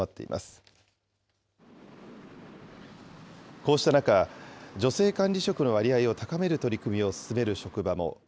こうした中、女性管理職の割合を高める取り組みを進める職場も。